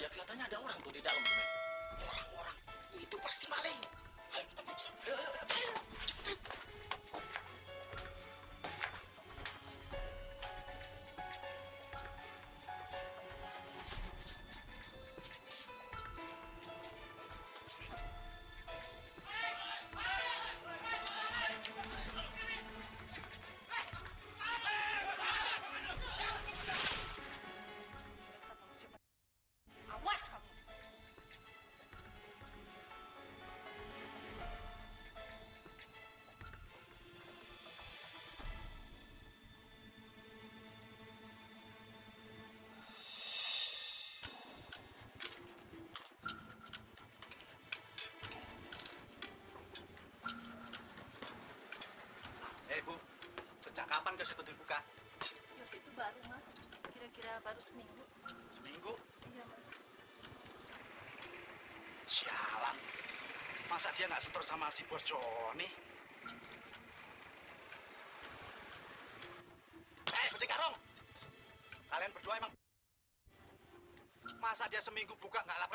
sini saja temanmu